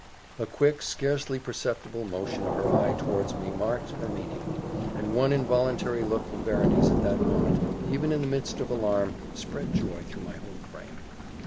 A quick, scarcely perceptible motion of her eye towards me marked her meaning; and one involuntary look from Berenice at that moment, even in the midst of alarm, spread joy through my whole frame.